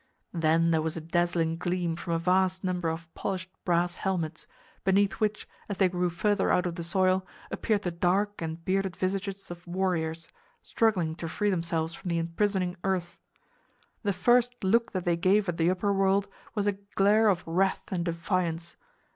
Then there was a dazzling gleam from a vast number of polished brass helmets, beneath which, as they grew further out of the soil, appeared the dark and bearded visages of warriors, struggling to free themselves from the imprisoning earth. The first look that they gave at the upper world was a glare of wrath and defiance.